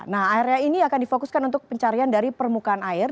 nah area ini akan difokuskan untuk pencarian dari permukaan air